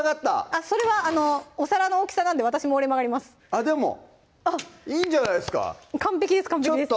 あっそれはあのお皿の大きさなんで私も折れ曲がりますいいんじゃないですか完璧です完璧です